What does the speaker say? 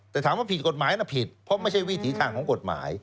แต่ถามว่าผิดกฎหมายนะผิดเพราะไม่ใช่วิถีทางของกฎหมาย